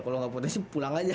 kalau nggak potensi pulang aja